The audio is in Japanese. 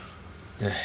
ええ。